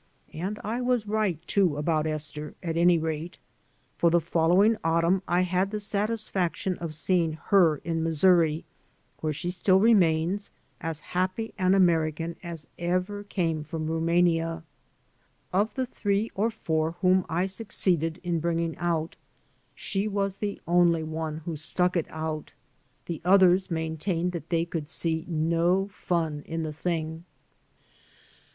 And I was right, too — ^about Esther, at any rate. For the follow ing autumn I had the satisfaction of seeing her in Missouri, where she still remains — ^as happy an Ameri 229 AN AMERICAN IN THE MAKING can as ever came from Rumania. Of the three or four whom I succeeded Iq bringing out she was the only one who stuck it out; the others maintained that they could see no fun in the thing.